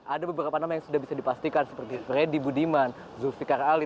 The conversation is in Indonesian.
ada beberapa nama yang sudah bisa dipastikan seperti freddy budiman zulfiqar ali